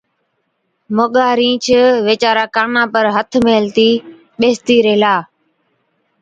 موڳا رِينڇ ويچارا ڪانان پر هٿ ميهلتِي ٻيستِي ريهلا۔